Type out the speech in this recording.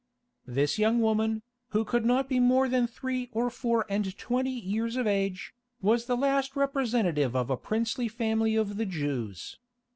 This young woman, who could not be more than three or four and twenty years of age, was the last representative of a princely family of the Jews.